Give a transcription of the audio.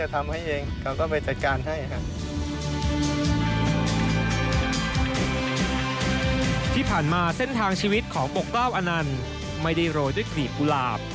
แต่เส้นทางชีวิตของปกเกล้าอนันท์ไม่ได้โรยด้วยกลีบกุหลาบ